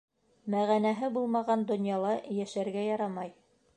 Мәғәнәһе булмаған донъяла йәшәргә ярамай.